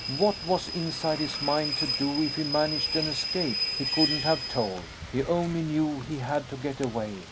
What was inside his mind to do if he managed an escape, he couldn't have told. He only knew he had to get away.